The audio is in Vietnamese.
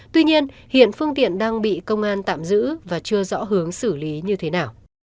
tuy nhiên hiện phương tiện đang bị công an tạm giữ và chưa rõ hướng xử lý như thế nào